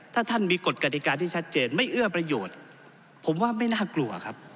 ถ้าท่านมีกฎกฎิกาที่ชัดเจนไม่เอื้อประโยชน์ผมว่าไม่น่ากลัวครับ